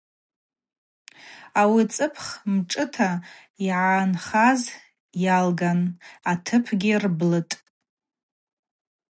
Ауи цӏыпх мшӏыта йгӏанхаз йалган атыпгьи рблытӏ.